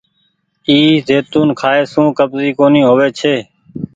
اي زيتونٚ کآئي سون ڪبزي ڪونيٚ هووي ڇي۔